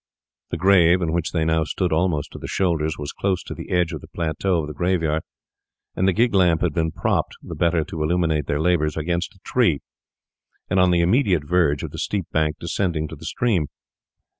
The grave, in which they now stood almost to the shoulders, was close to the edge of the plateau of the graveyard; and the gig lamp had been propped, the better to illuminate their labours, against a tree, and on the immediate verge of the steep bank descending to the stream.